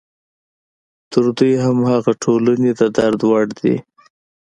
تر دوی هم هغه ټولنې د درد وړ دي.